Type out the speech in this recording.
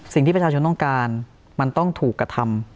สิ่งที่ประชาชนต้องการมันต้องถูกกระทำ